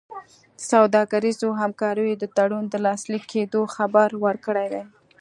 د سوداګریزو همکاریو د تړون د لاسلیک کېدو خبر ورکړی دی.